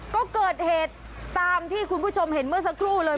ก็เกิดเหตุตามที่คุณผู้ชมเห็นเมื่อสักครู่เลย